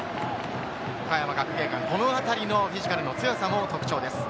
岡山学芸館、このあたりのフィジカルの強さも特徴です。